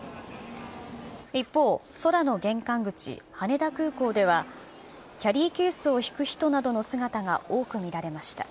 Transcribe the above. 一方、空の玄関口、羽田空港では、キャリーケースを引く人などの姿が多く見られました。